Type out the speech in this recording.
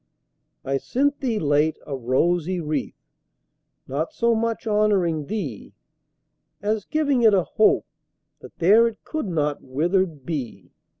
I sent thee, late, a rosy wreath, Not so much honouring thee, As giving it a hope, that there It could not withered be.